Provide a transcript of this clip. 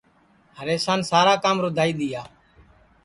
ہریشان سارا کام رُدھائی دؔیا